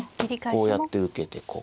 こうやって受けてここ。